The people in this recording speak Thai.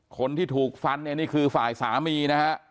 คนที่ถูกฟันเนี่ยนี่คือฝ่ายสามีนะฮะ